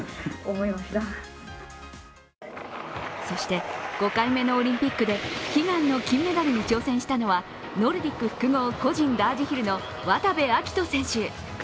そして、５回目のオリンピックで悲願の金メダルに挑戦したのはノルディック複合個人ラージヒルの渡部暁斗選手。